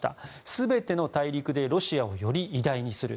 全ての大陸でロシアをより偉大にする。